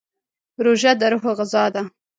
روژه د روح غذا ده.